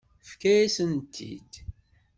Tefka-yasent-t-id.